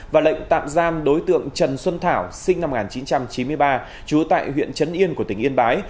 và lệnh tạm giam đối tượng trần xuân thảo sinh năm một nghìn chín trăm chín mươi ba trú tại huyện trấn yên của tỉnh yên bái